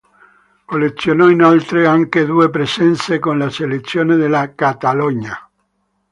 Collezionò inoltre anche due presenze con la Selezione della Catalogna.